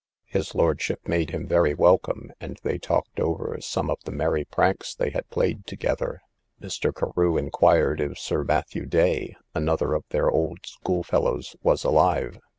His lordship made him very welcome, and they talked over some of the merry pranks they had played together. Mr. Carew inquired if Sir Matthew Day, another of their old schoolfellows, was alive.